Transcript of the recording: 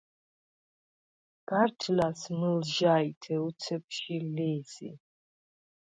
გარჯ ლას მჷლჟაჲთე უცეფ ჟი ლი̄ზი.